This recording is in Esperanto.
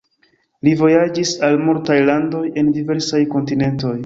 Li vojaĝis al multaj landoj en diversaj kontinentoj.